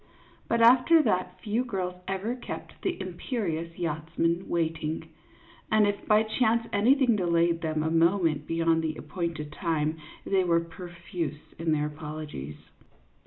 But after that few girls ever kept the imperious yachtsman waiting ; and if by chance anything delayed them a moment beyond the ap pointed time, they were profuse in their apologies.